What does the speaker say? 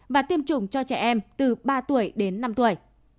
và tiêm chủng cho trẻ em từ ba tuổi đến năm tuổi